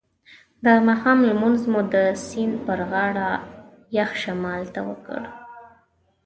د ماښام لمونځ مو د سیند پر غاړه یخ شمال ته وکړ.